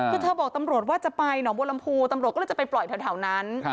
คือเธอบอกตำรวจว่าจะไปหนองบัวลำพูตำรวจก็เลยจะไปปล่อยแถวนั้น